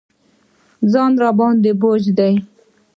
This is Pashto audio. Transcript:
ځان راباندې بوج دی.